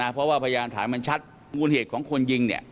เพราะว่าพยานฐานมันชัดมูลเหตุของคนยิง